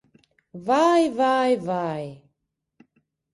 Vai, vai, vai!